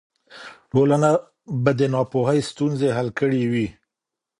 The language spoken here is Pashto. ټولنه به د ناپوهۍ ستونزې حل کړې وي.